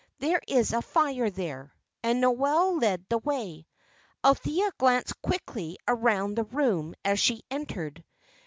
There is a fire there." And Noel led the way. Althea glanced quickly round the room as she entered.